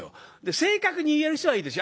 正確に言える人はいいです。